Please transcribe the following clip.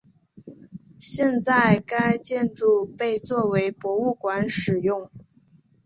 现在该建筑被作为博物馆使用。